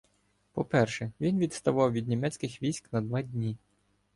По-перше, він відставав від німецьких військ на два дні.